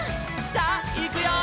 「さあいくよー！」